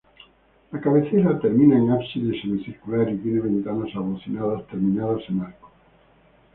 La cabecera termina en ábside semicircular y tiene ventanas abocinadas terminadas en arco.